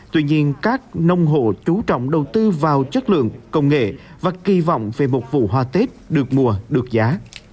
tuy nhiên các nông hộ chú trọng đầu tư vào chất lượng công nghệ và kỳ vọng về một vụ hoa tết được mùa được giá